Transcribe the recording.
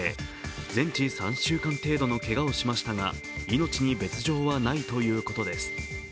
全治３週間程度のけがをしましたが命に別状はないということです。